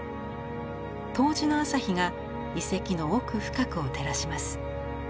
冬至の朝日が遺跡の奥深くを照らします。